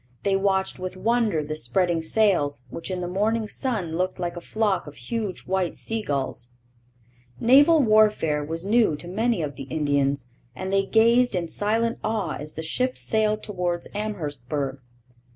They watched with wonder the spreading sails, which in the morning sun looked like a flock of huge white sea gulls. Naval warfare was new to many of the Indians, and they gazed in silent awe as the ships sailed towards Amherstburg.